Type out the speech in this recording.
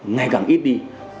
ngày càng ít đi